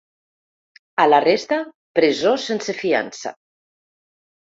A la resta, presó sense fiança.